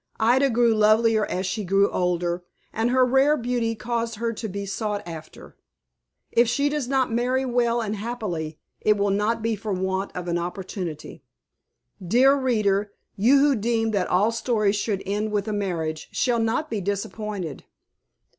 Ida grew lovelier as she grew older, and her rare beauty caused her to be sought after. If she does not marry well and happily, it will not be for want of an opportunity. Dear reader, you who deem that all stories should end with a marriage, shall not be disappointed.